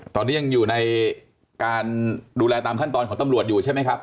ตอนนี้ยังอยู่ในการดูแลตามขั้นตอนของตำรวจอยู่ใช่ไหมครับ